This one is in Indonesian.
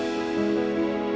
alhamdulillah ya allah